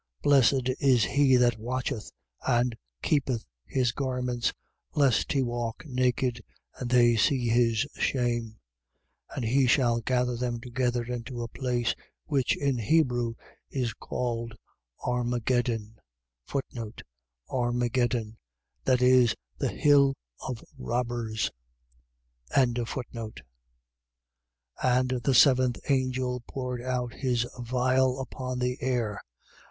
Blessed is he that watcheth and keepeth his garments, lest he walk naked, and they see his shame. 16:16. And he shall gather them together into a place which in Hebrew is called Armagedon. Armagedon. . .That is, the hill of robbers. 16:17. And the seventh angel poured out his vial upon the air.